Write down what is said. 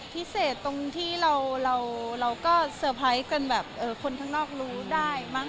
พิเศษตรงที่เราก็เซอร์ไพรส์กันแบบคนข้างนอกรู้ได้มั้